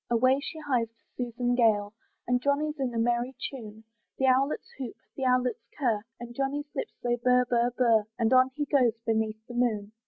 Away she hies to Susan Gale: And Johnny's in a merry tune, The owlets hoot, the owlets curr, And Johnny's lips they burr, burr, burr, And on he goes beneath the moon.